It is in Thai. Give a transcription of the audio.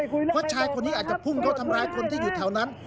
เพราะชายคนนี้อาจจะพุ่งเข้าทำร้ายคนที่อยู่แถวนั้น